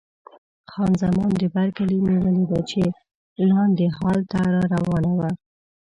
خان زمان بارکلي مې ولیده چې لاندې هال ته را روانه وه.